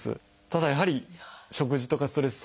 ただやはり食事とかストレス